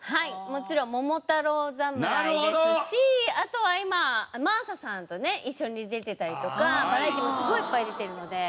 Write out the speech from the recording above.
もちろん『桃太郎侍』ですしあとは今真麻さんとね一緒に出てたりとかバラエティーもすごいいっぱい出てるので。